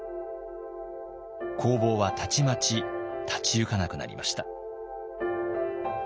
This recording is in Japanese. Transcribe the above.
工房はたちまち立ち行かなくなりました。